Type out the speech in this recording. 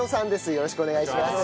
よろしくお願いします。